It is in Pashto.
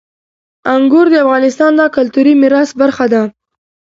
انګور د افغانستان د کلتوري میراث برخه ده.